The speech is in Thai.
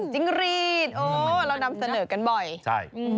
จิ้งรีดโอ้เรานำเสนอกันบ่อยใช่